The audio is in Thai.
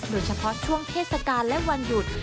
โดยเฉพาะช่วงเทศกาลและวันหยุด